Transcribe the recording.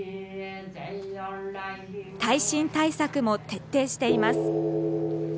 耐震対策も徹底しています。